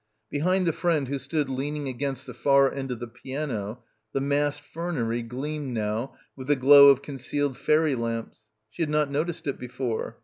Behind the friend who stood leaning against the far end of the piano, the massed fernery gleamed now with the glow of concealed fairy lamps. She had not noticed it before.